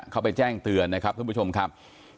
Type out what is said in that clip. เข้าไปแจ้งเตือนนะครับท่านผู้ชมครับ